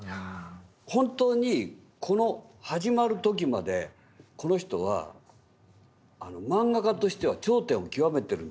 本当にこの始まる時までこの人はマンガ家としては頂点を極めてるんですよ。